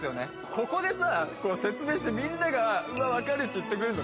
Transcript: ここでさ説明してみんなが「分かる」って言ってくれんの